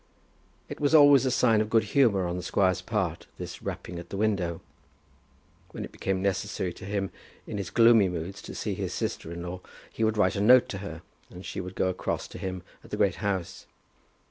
It was always a sign of good humour on the squire's part, this rapping at the window. When it became necessary to him in his gloomy moods to see his sister in law, he would write a note to her, and she would go across to him at the Great House.